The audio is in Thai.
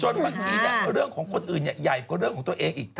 บางทีเรื่องของคนอื่นใหญ่กว่าเรื่องของตัวเองอีก